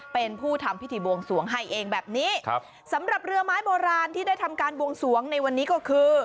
เป็นผู้ทำพิธีบวงสวงให้เองแบบนี้ครับสำหรับเรือไม้โบราณที่ได้ทำการบวงสวงในวันนี้ก็คือ